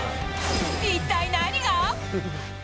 一体何が？